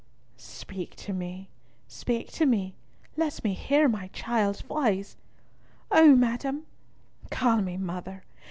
"Speak to me! Speak to me! Let me hear my child's voice." "Oh, madam—" "Call me mother!